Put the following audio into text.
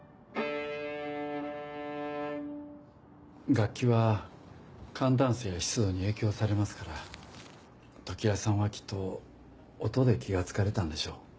楽器は寒暖差や湿度に影響されますから常葉さんはきっと音で気が付かれたんでしょう。